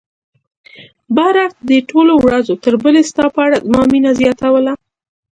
برعکس دې ټولو ورځ تر بلې ستا په اړه زما مینه زیاتوله.